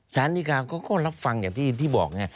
ศาลิกาก็รับฟังอย่างที่บอก